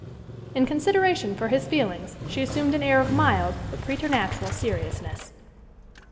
In consideration for his feelings she assumed an air of mild but preternatural seriousness.